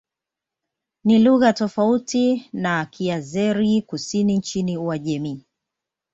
Ni lugha tofauti na Kiazeri-Kusini nchini Uajemi.